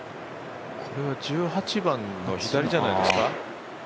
これは１８番の左じゃないですか？